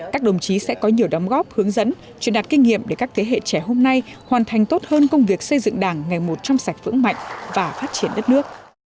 các đồng chí sẽ có nhiều đóng góp hướng dẫn truyền đạt kinh nghiệm để các thế hệ trẻ hôm nay hoàn thành tốt hơn công việc xây dựng đảng ngày một trong sạch vững mạnh và phát triển đất nước